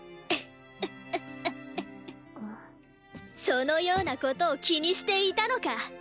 そのようなことを気にしていたのか。